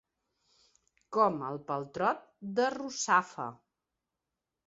Com el paltrot de Russafa.